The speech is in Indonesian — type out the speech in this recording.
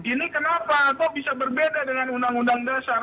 ini kenapa kok bisa berbeda dengan undang undang dasar